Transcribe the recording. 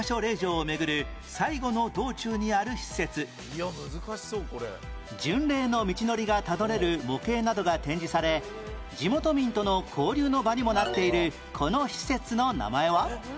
弘法大師ゆかりの巡礼の道のりがたどれる模型などが展示され地元民との交流の場にもなっているこの施設の名前は？